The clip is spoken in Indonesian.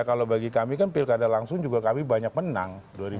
kalau bagi kami kan pilkada langsung juga kami banyak menang